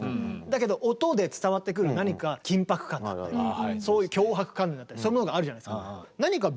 だけど音で伝わってくる何か緊迫感だったりそういう強迫観念だったりそういうものがあるじゃないですか。